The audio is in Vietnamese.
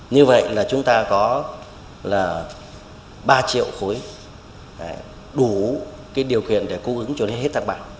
như vậy là chúng ta có ba triệu khối đủ điều kiện để cung ứng cho hết tháng ba